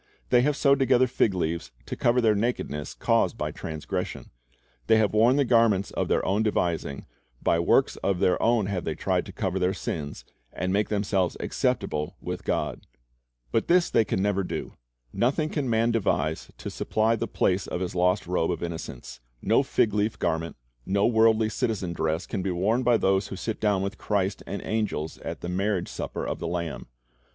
They have sewed together fig leaves to cover the nakedness caused by transgression. They have worn the garments of their own devising, by works of their own they have tried to cover their sins, and make themselves acceptable with God. But this they can never do. Nothing can man devise to supply the place of his lost robe of innocence. No fig leaf garment, no worldly citizen dress, can be worn by those who sit down with Christ and angels at the marriage supper of the Lamb.